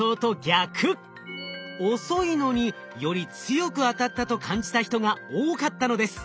遅いのにより強く当たったと感じた人が多かったのです。